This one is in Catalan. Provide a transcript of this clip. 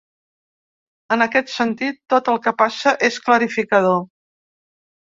En aquest sentit, tot el que passa és clarificador.